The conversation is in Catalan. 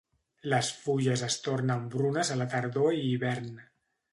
Les fulles es tornen brunes a la tardor i hivern.